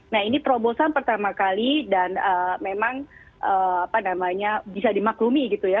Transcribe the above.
nah ini terobosan pertama kali dan memang apa namanya bisa dimaklumi gitu ya